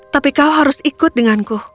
tapi kau harus ikut denganku